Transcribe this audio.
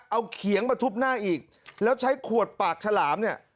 เอาเขียงมาทุบหน้าอีกแล้วใช้ขวดปากฉลามเนี่ย